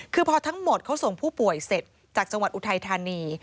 คือพอทั้งหมดเขาส่งผู้ป่วยเสร็จจากจังหวัดอุทัยธานี